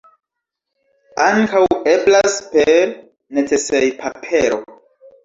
Ankaŭ eblas per necesejpapero!